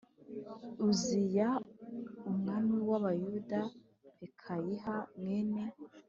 Uziya umwami w Abayuda Pekahiya mwene